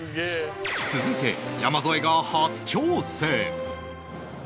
続いて山添が初挑戦